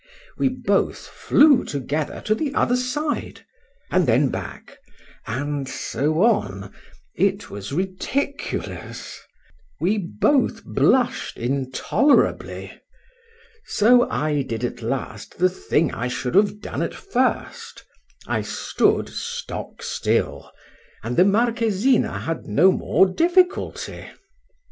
—We both flew together to the other side, and then back,—and so on:—it was ridiculous: we both blush'd intolerably: so I did at last the thing I should have done at first;—I stood stock still, and the Marquisina had no more difficulty.